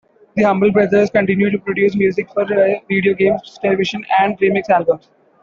The Humble Brothers continue to produce music for video games, television, and remix albums.